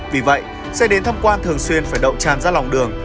vì vậy xe đến thăm quan thường xuyên phải đậu tràn ra lòng đường